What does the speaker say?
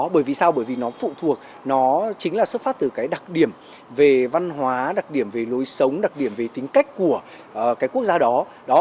bởi vì sao bởi vì nó phụ thuộc nó chính là xuất phát từ cái đặc điểm về văn hóa đặc điểm về lối sống đặc điểm về tính cách của cái quốc gia đó